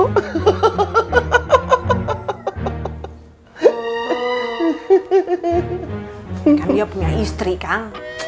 kan dia punya istri kak